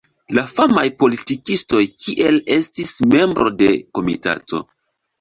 La famaj politikistoj kiel estis membro de komitato.